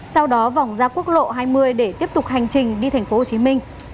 sau đó vòng ra quốc lộ hai mươi để tiếp tục hành trình đi thành phố hồ chí minh